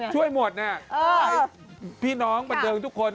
ช่วยหมดเนี่ยพี่น้องบันเทิงทุกคน